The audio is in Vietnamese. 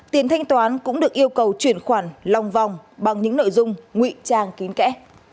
tiền thanh toán cũng được yêu cầu chuyển khoản lòng vòng bằng những nội dung ngụy trang kín kẽ